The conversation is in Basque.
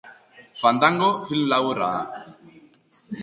Fandango film laburra da.